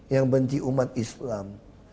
yang benci umat islam